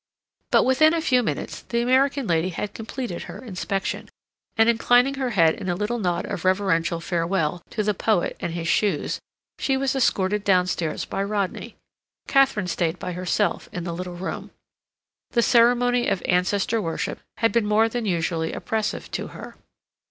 But within a few minutes the American lady had completed her inspection, and inclining her head in a little nod of reverential farewell to the poet and his shoes, she was escorted downstairs by Rodney. Katharine stayed by herself in the little room. The ceremony of ancestor worship had been more than usually oppressive to her.